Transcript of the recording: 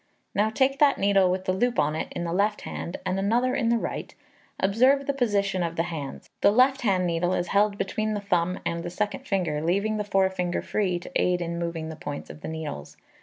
Now take that needle with the loop on it in the left hand, and another in the right. Observe the position of the hands. The left hand needle is held between the thumb and the second finger, leaving the forefinger free, to aid in moving the points of the needles.